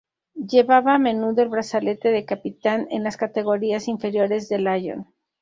Llevaba a menudo el brazalete de capitán en las categorías inferiores del Lyon.